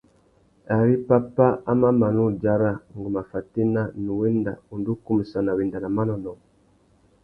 Ari pápá a mà mana udzara, ngu má fatēna, nnú wenda undú kumsana wenda nà manônōh.